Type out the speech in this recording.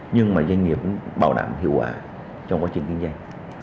nhưng mà doanh nghiệp cũng bảo đảm hiệu quả trong quá trình kinh doanh